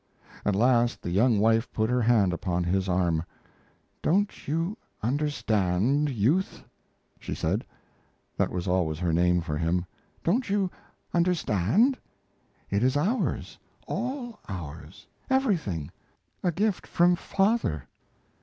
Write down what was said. At last the young wife put her hand upon his arm: "Don't you understand, Youth," she said; that was always her name for him. "Don't you understand? It is ours, all ours everything a gift from father!"